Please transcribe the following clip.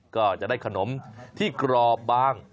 ก็จะได้ขนมที่กรอบบาง